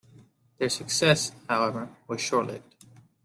Their success, however, was short-lived.